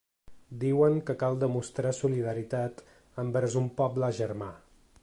Diuen que cal demostrar solidaritat envers un poble ‘germà’.